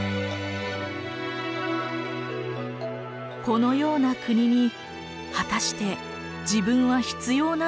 このような国に果たして自分は必要なのだろうか。